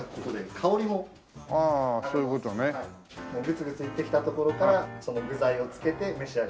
グツグツいってきたところからその具材をつけて召し上がって。